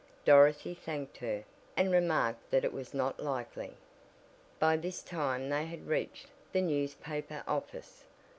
Dorothy thanked her, and remarked that it was not likely. By this time they had reached the newspaper office.